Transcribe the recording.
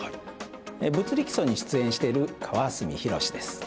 「物理基礎」に出演している川角博です。